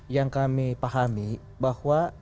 yang kami pahami bahwa